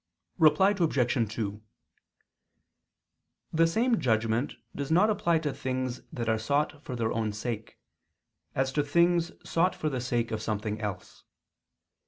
Reply Obj. 2: The same judgment does not apply to things that are sought for their own sake, as to things sought for the sake of something else.